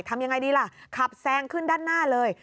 ทำยังไงดีล่ะขับแซงขึ้นด้านหน้าเลย